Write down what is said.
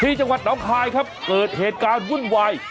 จังหวัดน้องคายครับเกิดเหตุการณ์วุ่นวาย